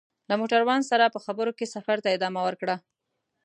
له موټروان سره په خبرو کې سفر ته ادامه ورکړه.